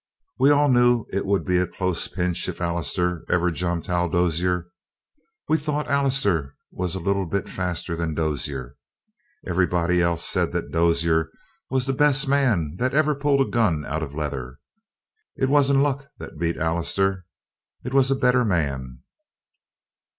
"We all knew it would be a close pinch if Allister ever jumped Hal Dozier. We thought Allister was a little bit faster than Dozier. Everybody else said that Dozier was the best man that ever pulled a gun out of leather. It wasn't luck that beat Allister it was a better man."